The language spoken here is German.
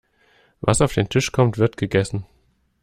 Was auf den Tisch kommt, wird gegessen.